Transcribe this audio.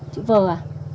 chữ vờ à